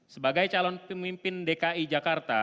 sebagai calon pemimpin dki jakarta